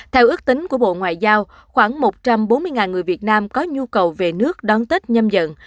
theo ước tính của bộ ngoại giao khoảng một trăm bốn mươi người việt nam có nhu cầu về nước đón tết nhâm dần